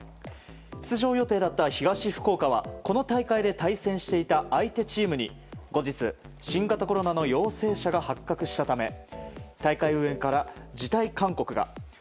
出場予定だった東福岡はこの大会で対戦していた相手チームに後日、新型コロナの陽性者が発覚したため大会運営から辞退勧告が。